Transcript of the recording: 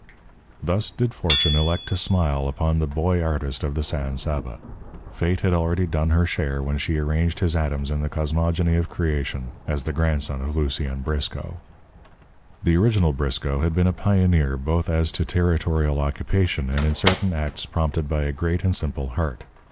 Thus did fortune elect to smile upon the Boy Artist of the San Saba. Fate had already done her share when she arranged his atoms in the cosmogony of creation as the grandson of Lucien Briscoe. The original Briscoe had been a pioneer both as to territorial occupation and in certain acts prompted by a great and simple heart.